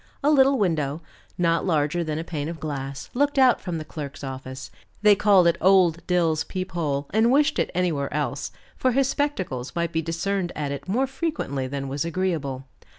A little window, not larger than a pane of glass, looked out from the clerk's office; they called it old Dill's peep hole and wished it anywhere else, for his spectacles might be discerned at it more frequently than was agreeable.